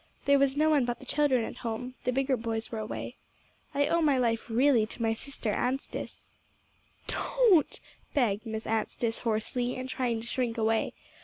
There was no one but the children at home; the bigger boys were away. I owe my life really to my sister Anstice." "Don't!" begged Miss Anstice hoarsely, and trying to shrink away.